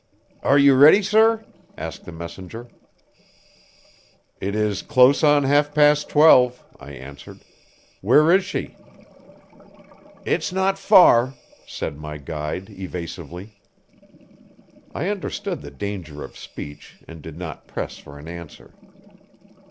"Are you ready, sir?" asked the messenger. "It is close on half past twelve," I answered. "Where is she?" "It's not far," said my guide evasively. I understood the danger of speech, and did not press for an answer.